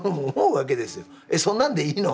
「えっそんなんでいいの？」